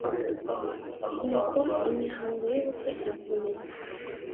nuko imihango y’ubukwe irakomeza